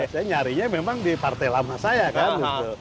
saya nyarinya memang di partai lama saya kan